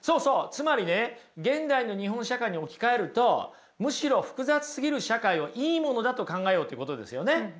つまりね現代の日本社会に置き換えるとむしろ複雑すぎる社会をいいものだと考えようっていうことですよね。